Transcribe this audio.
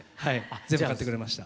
全部買ってくれました。